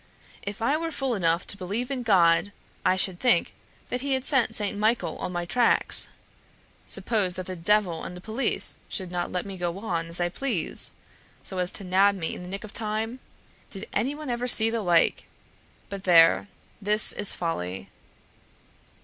"If I were fool enough to believe in God, I should think that He had set Saint Michael on my tracks. Suppose that the devil and the police should let me go on as I please, so as to nab me in the nick of time? Did anyone ever see the like! But there, this is folly...."